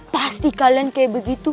pasti kalian kayak begitu